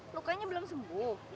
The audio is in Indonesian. lukanya belum sembuh